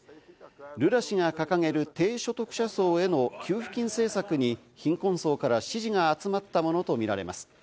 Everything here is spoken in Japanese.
ルラ氏が掲げる低所得者層への給付金政策に貧困層から支持が集まったものとみられます。